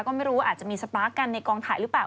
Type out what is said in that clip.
ก็ไม่รู้ว่าอาจจะมีสปาร์คกันในกองถ่ายหรือเปล่า